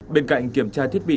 bên cạnh kiểm tra thiết bị